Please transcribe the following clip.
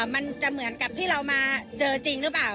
มันจะเหมือนกับที่เรามาเจอจริงหรือเปล่า